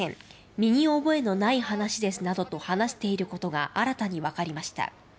身に覚えのない話です」などと話していることが新たに分かりました。